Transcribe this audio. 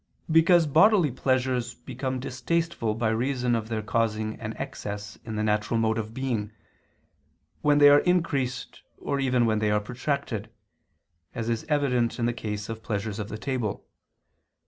Because bodily pleasures become distasteful by reason of their causing an excess in the natural mode of being, when they are increased or even when they are protracted; as is evident in the case of pleasures of the table.